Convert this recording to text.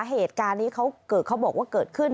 เหตุการณ์นี้เขาบอกว่าเกิดขึ้น